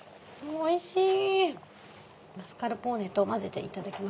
おいしい！